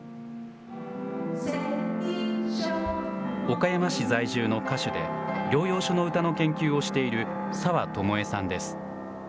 岡山市在住の歌手で、療養所の歌の研究をしている沢知恵さんです。